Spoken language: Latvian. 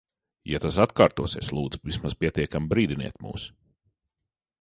Ja tas atkārtosies, lūdzu, vismaz pietiekami brīdiniet mūs.